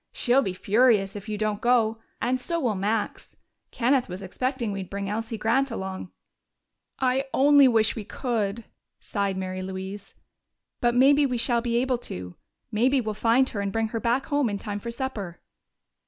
She'll be furious if you don't go and so will Max. Kenneth was expecting we'd bring Elsie Grant along." "I only wish we could!" sighed Mary Louise. "But maybe we shall be able to. Maybe we'll find her and bring her back home in time for supper."